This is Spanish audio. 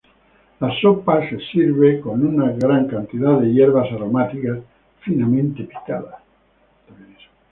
La sopa se sirve con una gran cantidad de hierbas aromáticas finamente picadas.